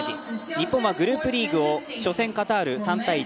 日本はグループリーグを初戦カタール３−１。